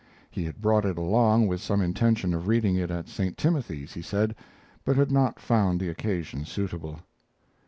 He had brought it along with some intention of reading it at St. Timothy's, he said, but had not found the occasion suitable.